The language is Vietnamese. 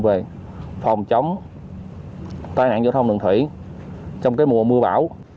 về phòng chống tai nạn giao thông đường thủy trong mùa mưa bão